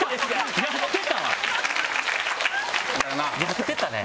やってたね。